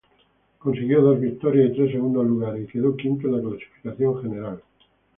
Consiguió dos victorias y tres segundos lugares, y quedó quinto en la clasificación general.